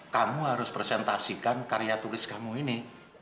kamu harus presentasikan karya tulis kamu ini